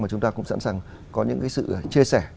mà chúng ta cũng sẵn sàng có những cái sự chia sẻ